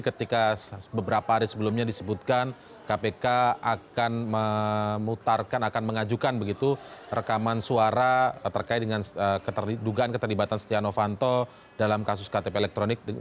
ketika beberapa hari sebelumnya disebutkan kpk akan memutarkan akan mengajukan begitu rekaman suara terkait dengan dugaan keterlibatan setia novanto dalam kasus ktp elektronik